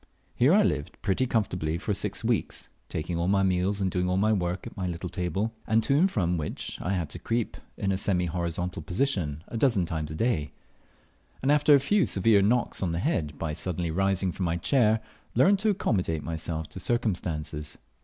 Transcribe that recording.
Here I lived pretty comfortably for six weeks, taking all my meals and doing all my work at my little table, to and from which I had to creep in a semi horizontal position a dozen times a day; and, after a few severe knocks on the head by suddenly rising from my chair, learnt to accommodate myself to circumstances.